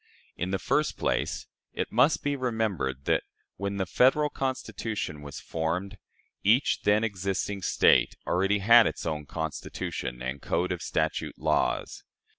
In the first place, it must be remembered that, when the Federal Constitution was formed, each then existing State already had its own Constitution and code of statute laws.